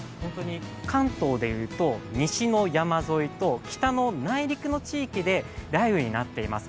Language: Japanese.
関東で言うと、西の山沿いと北の内陸の地域で雷雨になっています。